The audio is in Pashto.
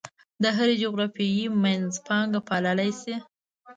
د هرې جغرافیې منځپانګه پاللی شي.